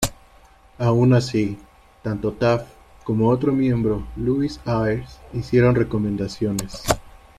Aun así, tanto Taft como otro miembro, Louis Ayres, hicieron recomendaciones.